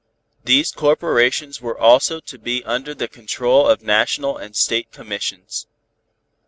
These corporations were also to be under the control of national and state commissions.